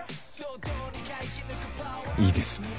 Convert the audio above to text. いいです。